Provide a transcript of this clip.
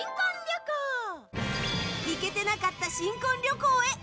行けていなかった新婚旅行へ。